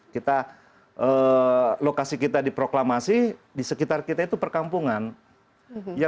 kita lokasi kita di proklamasi di sekitar kita itu perkampungan